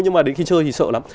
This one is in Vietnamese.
nhưng mà đến khi chơi thì sợ lắm